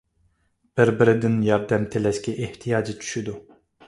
بىر - بىرىدىن ياردەم تىلەشكە ئېھتىياجى چۈشىدۇ.